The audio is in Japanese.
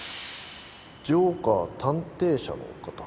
ジョーカー探偵社の方？